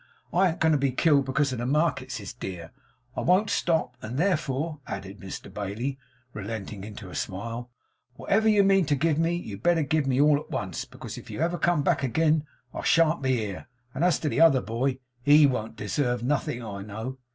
I an't a going to be killed because the markets is dear. I won't stop. And therefore,' added Mr Bailey, relenting into a smile, 'wotever you mean to give me, you'd better give me all at once, becos if ever you come back agin, I shan't be here; and as to the other boy, HE won't deserve nothing, I know.